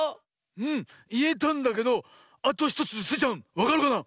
うんいえたんだけどあと１つスイちゃんわかるかな？